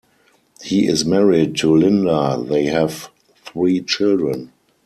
He is married to Lynda; they have three children.